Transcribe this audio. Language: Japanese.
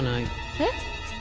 えっ？